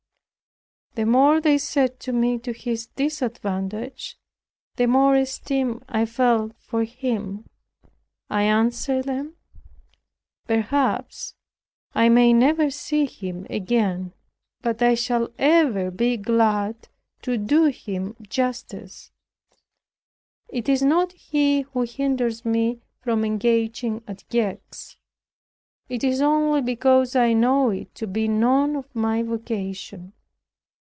The more they said to me to his disadvantage, the more esteem I felt for him. I answered them, "Perhaps I may never see him again, but I shall ever be glad to do him justice. It is not he who hinders me from engaging at Gex. It is only because I know it to be none of my vocation."